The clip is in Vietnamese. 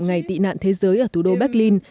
ngày tị nạn thế giới ở thủ đô berlin